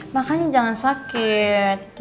makanya jangan sakit